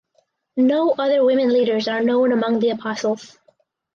No other women leaders are known among the Apostles.